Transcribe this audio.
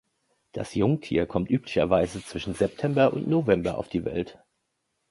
Das Jungtier kommt üblicherweise zwischen September und November auf die Welt.